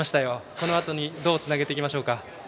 このあとにどうつなげていきますか。